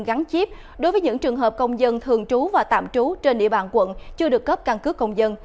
gắn chip đối với những trường hợp công dân thường trú và tạm trú trên địa bàn quận chưa được cấp căn cước công dân